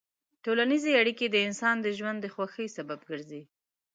ټولنیز اړیکې د انسان د ژوند د خوښۍ سبب ګرځي.